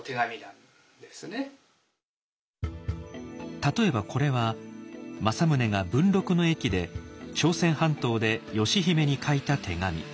例えばこれは政宗が文禄の役で朝鮮半島で義姫に書いた手紙。